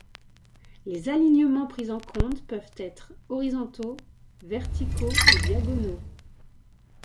Les alignements pris en compte peuvent être horizontaux, verticaux ou diagonaux.